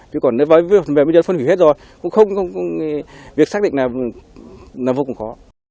chứ còn với phân hủy hết rồi việc xác định là vô cùng khó